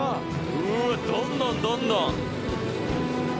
うわどんどんどんどん。